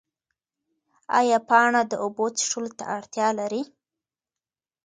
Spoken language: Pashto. ایا پاڼه د اوبو څښلو ته اړتیا لري؟